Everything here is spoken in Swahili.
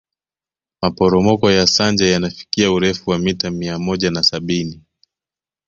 maporomoko ya sanje yanafikia urefu wa mita mia moja na sabini